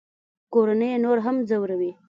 کورنۍ یې نور هم ځوروي